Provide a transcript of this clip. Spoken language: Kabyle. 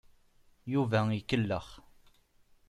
Yuba ikellex.